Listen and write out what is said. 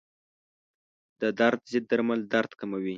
د درد ضد درمل درد کموي.